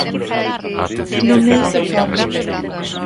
No medio do pobo.